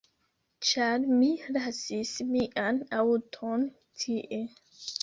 Ĉar mi lasis mian aŭton tie